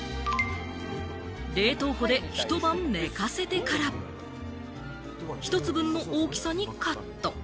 冷凍庫でひと晩寝かせてから、１つ分の大きさにカット。